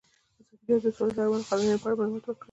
ازادي راډیو د سوله د اړونده قوانینو په اړه معلومات ورکړي.